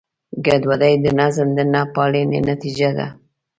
ګډوډي د نظم د نهپالنې نتیجه ده.